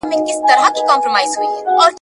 هېري څرنگه د میني ورځی شپې سي ,